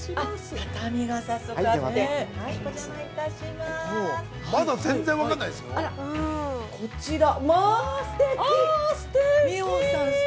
◆畳が早速あって。